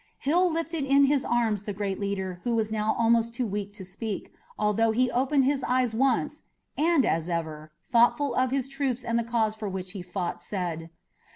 Hill lifted in his arms the great leader who was now almost too weak to speak, although he opened his eyes once, and, as ever, thoughtful of his troops and the cause for which he fought, said.